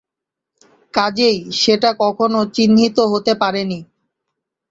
কাজেই সেটা কখনো চিহ্নিত হতে পারে নি।